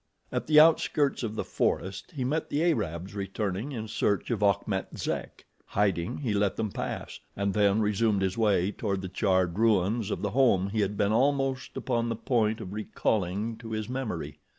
At the outskirts of the forest he met the Arabs returning in search of Achmet Zek. Hiding, he let them pass, and then resumed his way toward the charred ruins of the home he had been almost upon the point of recalling to his memory.